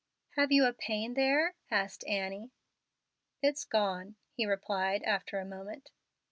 "Have you pain there?" asked Annie. "It's gone," he replied, after a moment.